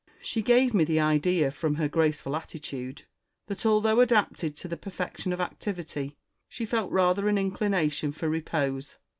She gave me the idea, from her graceful attitude, that, although adapted to the perfection of activity, she felt rather an inclination for repose.